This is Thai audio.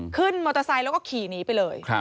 ขึ้นมอเตอร์ไซค์แล้วก็ขี่หนีไปเลย